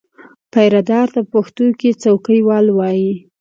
پیرهدار ته په پښتو کې څوکیوال وایي.